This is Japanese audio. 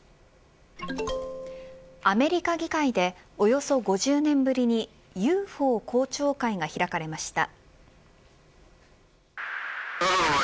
アメリカ議会でおよそ５０年ぶりにＵＦＯ公聴会が開かれました。